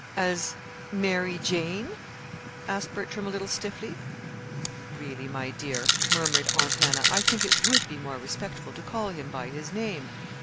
"As Mary Jane?" asked Bertram, a little stiffly. "Really, my dear," murmured Aunt Hannah, "I think it would be more respectful to call him by his name."